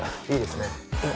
「いいですね」